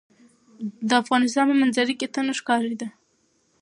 د افغانستان په منظره کې تنوع ښکاره ده.